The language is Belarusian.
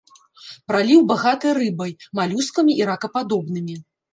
Праліў багаты рыбай, малюскамі і ракападобнымі.